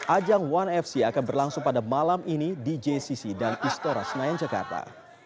ajang one fc akan berlangsung pada malam ini di jcc dan istora senayan jakarta